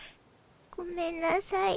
ごめんなさい。